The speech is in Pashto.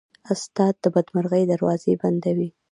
استاد د بدمرغۍ دروازې بندوي.